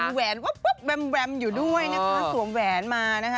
แล้วเห็นแหวนแวมอยู่ด้วยนะคะสวมแวนมานะคะ